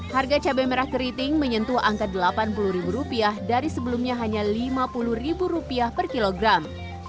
harga cabai merah keriting menyentuh angka rp delapan puluh dari sebelumnya hanya rp lima puluh per kilogram